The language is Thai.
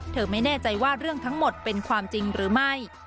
ไม่แน่ใจว่าเรื่องทั้งหมดเป็นความจริงหรือไม่